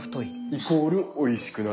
イコールおいしくなる。